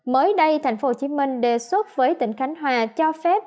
mới đây tp hcm đề xuất với tỉnh khánh hòa cho phép